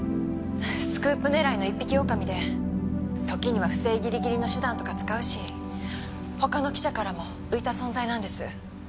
スクープ狙いの一匹狼で時には不正ギリギリの手段とか使うし他の記者からも浮いた存在なんです。